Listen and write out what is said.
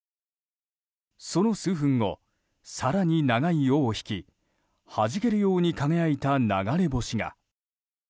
その数分後更に長い尾を引きはじけるように輝いた流れ星が。